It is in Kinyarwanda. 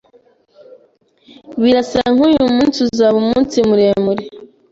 Birasa nkuyu munsi uzaba umunsi muremure.